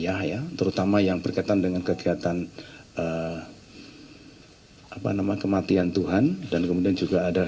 ya terutama yang berkaitan dengan kegiatan apa nama kematian tuhan dan kemudian juga ada